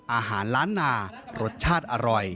อาหารล้านนารสชาติอร่อย